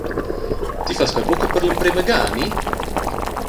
Ti fas quei buca per l’emprema ga, ni?